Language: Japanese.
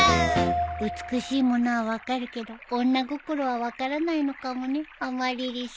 美しいものは分かるけど女心は分からないのかもねアマリリス。